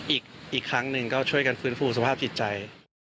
อีกครั้งหนึ่งก็ช่วยกันฟื้นฟูสภาพจิตใจ